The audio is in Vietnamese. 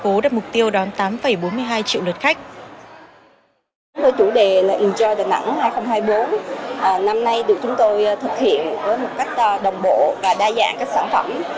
với chủ đề là inche đà nẵng hai nghìn hai mươi bốn năm nay được chúng tôi thực hiện với một cách đồng bộ và đa dạng các sản phẩm